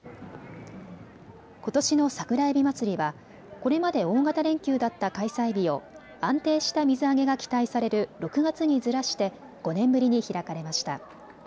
ことしの桜えびまつりはこれまで大型連休だった開催日を安定した水揚げが期待される６月にずらして５年ぶりに開かれました。